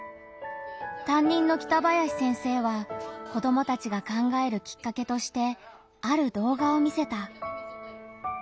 担任の北林先生は子どもたちが考えるきっかけとしてある動画を見せた。